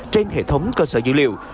trên hệ thống cơ sở dữ liệu